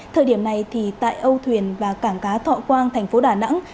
thời điểm này thì tại âu thuyền và cảng cá thọ quang thành phố đà nẵng